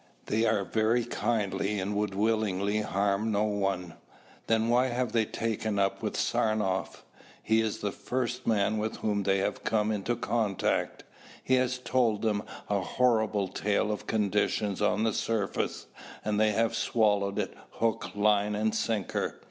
They are very kindly and would willingly harm no one." "Then why have they taken up with Saranoff?" "He is the first man with whom they have come into contact. He has told them a horrible tale of conditions on the surface, and they have swallowed it, hook, line and sinker.